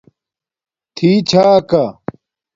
تھی چھاکا